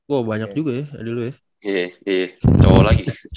wah banyak juga ya